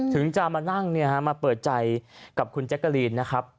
ถึงจะมานั่งมาเปิดใจกับคุณแจ๊กกาลีน